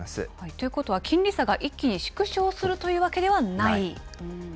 ということは、金利差が一気に縮小するというわけではない？